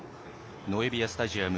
ノエビアスタジアム